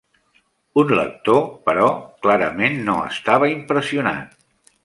Un lector, però, clarament no estava impressionat.